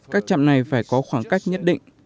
các chạm này phải có khoảng cách nhất định